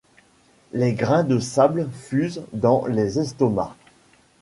Les grains de sables fusent dans les estomacs.